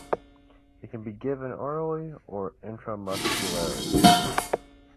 It can be given orally or intramuscularly.